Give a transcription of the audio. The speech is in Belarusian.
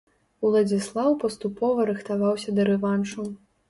Уладзіслаў паступова рыхтаваўся да рэваншу.